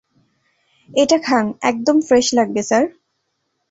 এটা খান, একদম ফ্রেশ লাগবে, স্যার।